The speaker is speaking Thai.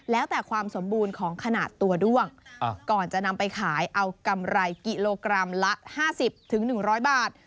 แล้วแต่ความสมบูรณ์ของขนาดตัวด้วงอ่าก่อนจะนำไปขายเอากำไรกิโลกรัมละห้าสิบถึงหนึ่งร้อยบาท